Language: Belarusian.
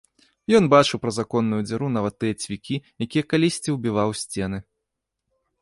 Ён бачыў праз аконную дзіру нават тыя цвікі, якія калісьці ўбіваў у сцены.